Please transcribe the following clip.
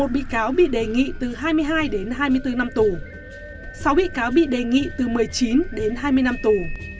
một mươi bị cáo bị đề nghị từ hai mươi hai đến hai mươi bốn năm tù sáu bị cáo bị đề nghị từ một mươi chín đến hai mươi năm tù